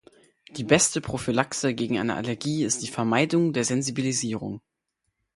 Die beste Prophylaxe gegen eine Allergie ist die Vermeidung der Sensibilisierung.